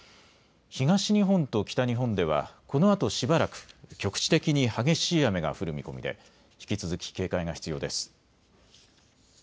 東日本と北日本ではこのあとしばらく局地的に激しい雨が降る見込みで引き続き警戒が必要です。